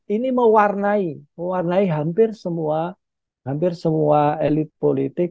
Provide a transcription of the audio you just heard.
ini mewarnai hampir semua elit politik